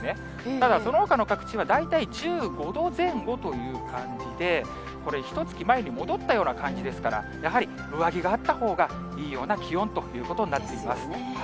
ただそのほかの各地は、大体１５度前後という感じで、これ、ひとつき前に戻ったような感じですから、やはり上着があったほうがいいような気温ということになっています。